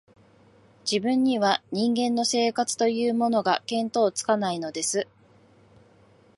自分には、人間の生活というものが、見当つかないのです